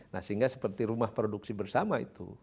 nah sehingga seperti rumah produksi bersama itu